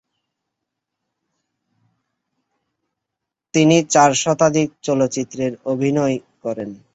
তিনি চার শতাধিক চলচ্চিত্রে অভিনয় করেন।